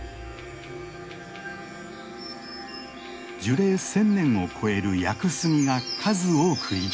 樹齢１，０００年を超える屋久杉が数多く生きている。